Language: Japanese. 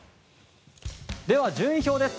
では、順位表です。